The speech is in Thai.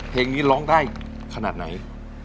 เพลงนี้ร้องได้ขนาดไหน